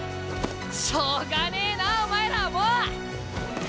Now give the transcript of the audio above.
しょうがねえなお前らはもう！